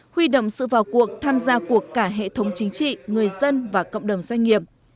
huy động sự vào cuộc tham gia cuộc cả hệ thống chính trị người dân và cộng đồng doanh nghiệp